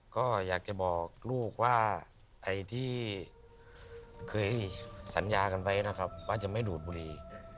ก็อยากจะบอกลูกว่าไอ้ที่เคยสัญญากันไว้นะครับว่าจะไม่ดูดบุรี